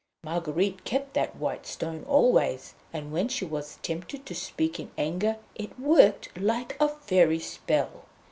Marguerite kept that white stone always, and when she was tempted to speak in anger it worked like a Fairy spell."